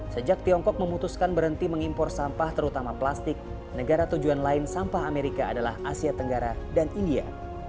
sejak tiongkok memutuskan berhenti mengimpor sampah terutama plastik negara tujuan lain sampah amerika adalah asia tenggara dan india